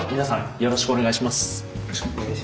よろしくお願いします。